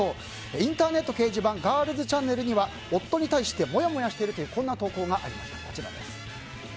インターネット掲示板ガールズちゃんねるには夫に対して、モヤモヤしているというこんな投稿がありました。